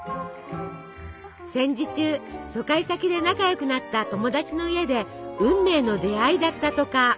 戦時中疎開先で仲良くなった友達の家で運命の出会いだったとか。